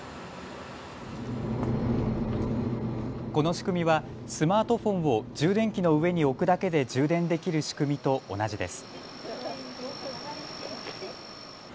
この仕組みはスマートフォンを充電器の上に置くだけで充電できる仕組みと同じです。